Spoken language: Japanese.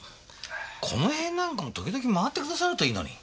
この辺なんかも時々回ってくださるといいのに。